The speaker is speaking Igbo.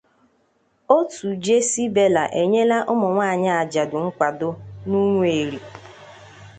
Òtù Jessybela Enyela Ụmụnwaanyị Ajadu Nkwàdo n'Ụmụeri